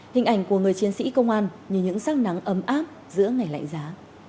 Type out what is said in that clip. hình ảnh của người chiến sĩ công an như những sắc nắng ấm áp giữa ngày lạnh giá